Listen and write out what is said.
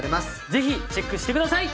ぜひチェックして下さい！